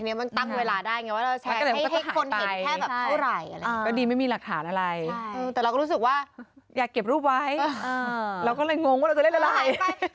ไม่รู้เรื่องอะไรที่นี่ค่ะคุณคะเรางงก่อนยิ่งพูดยิ่งงงกันไปใหญ่